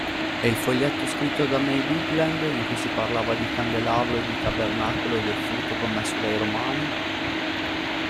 E il foglietto scritto da May Bigland, in cui si parlava di candelabro e di Tabernacolo e del furto commesso dai Romani?